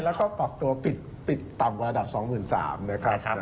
แล้วก็ปรับตัวปิดต่ำระดับ๒๓๐๐นะครับ